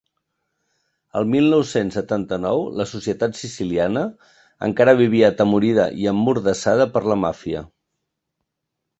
El mil nou-cents setanta-nou, la societat siciliana encara vivia atemorida i emmordassada per la màfia.